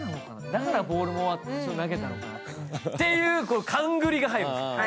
だからボールも投げたのかなっていう勘ぐりが入る。